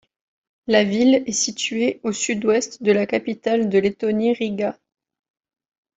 La ville est située à au sud-ouest de la capitale de Lettonie Riga.